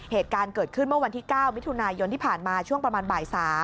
เหตุการณ์เกิดขึ้นเมื่อวันที่๙มิถุนายนที่ผ่านมาช่วงประมาณบ่าย๓